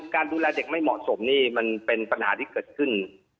การดูแลเด็กไม่เหมาะสมนี่มันเป็นปัญหาที่เกิดขึ้น